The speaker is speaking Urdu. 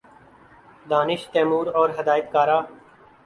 دانش تیمور اور ہدایت کارہ